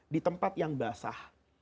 di tempat yang basah